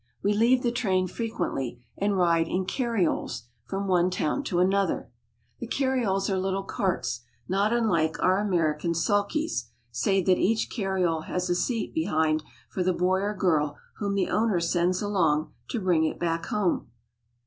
We leave the train frequently, and ride in car rioles from one town to another. The carrioles are .little carts not unlike "^^^^^^Ju^r^Kfc,— our American sulkies, save that each carriole has a seat behind for the boy or girl whom the owner sends along to bring it back home.